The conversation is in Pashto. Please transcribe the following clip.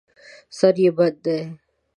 سر یې بند دی.